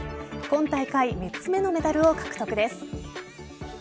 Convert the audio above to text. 今大会３つ目のメダルを獲得です。